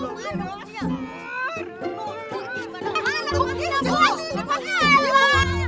buktinya lu itu